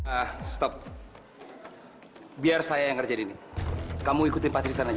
ah stop biar saya yang ngerjain ini kamu ikutin patisan aja